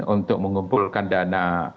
untuk mengumpulkan dana